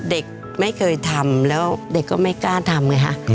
เด็กไม่เคยทำแล้วเด็กก็ไม่กล้าทำไงฮะ